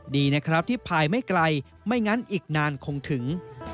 ดีนะครับที่พายไม่ไกลไม่งั้นอีกนานคงถึง